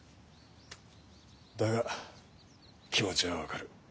だが気持ちは分かる。